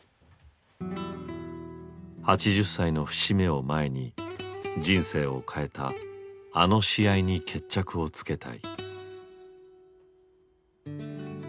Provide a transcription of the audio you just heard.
８０歳の節目を前に人生を変えたあの試合に決着をつけたい。